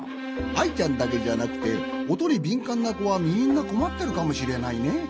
アイちゃんだけじゃなくておとにびんかんなこはみんなこまってるかもしれないね。